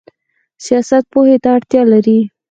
سیاست پوهې ته اړتیا لري